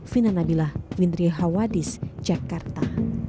fina nabilah windri hawadis jakarta